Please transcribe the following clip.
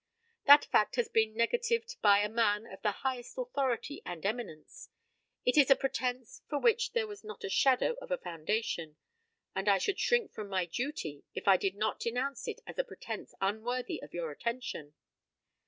That fact has been negatived by a man of the highest authority and eminence. It is a pretence for which there was not a shadow of a foundation, and I should shrink from my duty if I did not denounce it as a pretence unworthy of your attention.